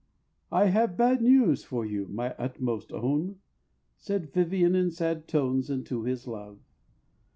"I have bad news for you, my utmost own," Said Vivian in sad tones unto his love.